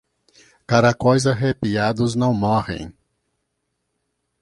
Caracóis arrepiados não morrem.